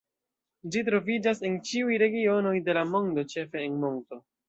Ĝi troviĝas en ĉiuj regionoj de la mondo, ĉefe en monto.